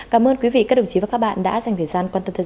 cảm ơn quý vị các đồng chí và các bạn đã dành thời gian quan tâm theo dõi